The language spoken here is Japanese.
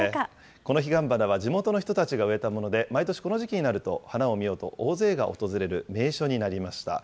このヒガンバナは地元の人たちが植えたもので、毎年この時期になると花を見ようと大勢が訪れる名所になりました。